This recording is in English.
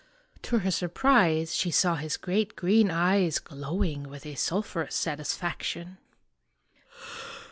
To her surprise she saw his great green eyes glowing with a sulphurous satisfaction.